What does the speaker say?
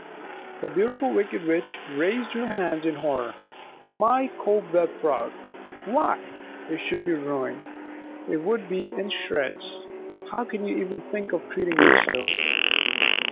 The Beautiful Wicked Witch raised her hands in horror. "My cobweb frock! Why, it would be ruined! It would be in shreds! How can you even think of treating it so!"